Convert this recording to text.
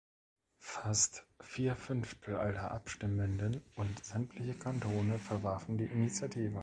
Fast vier Fünftel aller Abstimmenden und sämtliche Kantone verwarfen die Initiative.